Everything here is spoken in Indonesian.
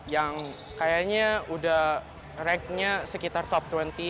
yang kayaknya udah ranknya sekitar top dua puluh